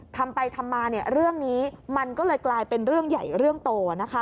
ทำไปทำมาเรื่องนี้มันก็เลยกลายเป็นเรื่องใหญ่เรื่องโตนะคะ